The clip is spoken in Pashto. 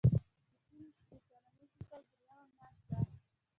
د چين د کرنیزې جنترې درېیمه میاشت ده.